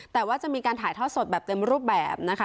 แต่ว่าจะมีการถ่ายทอดสดแบบเต็มรูปแบบนะคะ